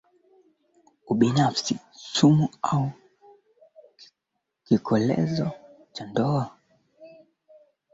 wakisikika wakitamka Kipepeo wimbo ambao ulitungwa na kuimbwa na mwanamuziki huyo Jose Chameleon Aidha